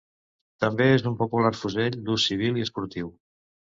També és un popular fusell d'ús civil i esportiu.